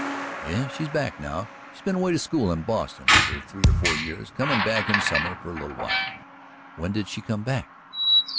"Yes, she's back now. She's been away to school in Boston for three or four years, comin' back in summer for a little while." "When did she come back?"